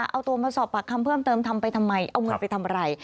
เอาตัวมาสอบปากคำเพิ่มเติมทำไปทำไมเอาเงินไปทำอะไร